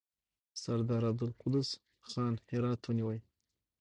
سردار عبدالقدوس خان هرات ونیوی.